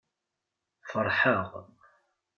Feṛḥeɣ.